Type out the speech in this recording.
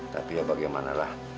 tapi ya bagaimana lah